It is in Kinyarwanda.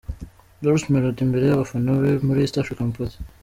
Bruce Melody imbere y'abafana be muri East African Party.